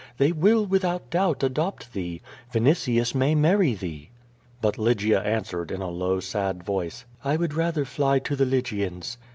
They will, without doubt, adopt thee. Vinitius may marry thee." But Lygia answered, in a low, sad voice: "I would rather fly to the Lygians."